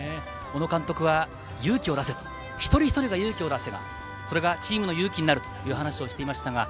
小野監督は勇気を出せと一人一人が勇気を出せば、それがチームの勇気になるという話をしていました。